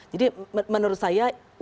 jadi menurut saya